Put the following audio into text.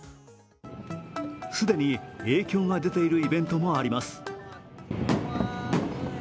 既に影響が出ているイベントもあります。